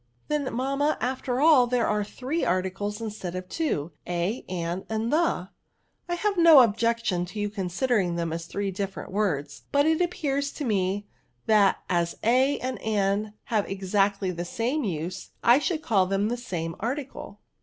'*^^ Then, mamma, after all, there are three articles instead of two— a, an, and the? "*^ I have no objecticm to your eonsidering^ them as three different words ;; but it aj^eara to me, that as a and an have exactly the same use, I should call them the same aor ticle."